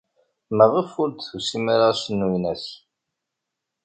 Maɣef ur d-tusim ara ass n uynas?